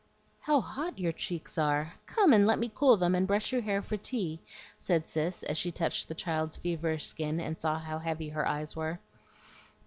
"How hot your cheeks are! Come and let me cool them, and brush your hair for tea," said Cis, as she touched the child's feverish skin, and saw how heavy her eyes were.